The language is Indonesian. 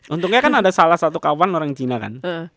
untungnya kan ada salah satu kawan orang cina kan